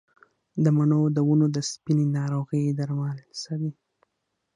د مڼو د ونو د سپینې ناروغۍ درمل څه دي؟